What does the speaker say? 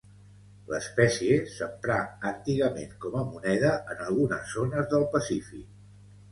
L'espècie s'emprà antigament com a moneda en algunes zones del Pacífic.